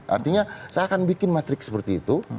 artinya saya akan bikin matrik seperti itu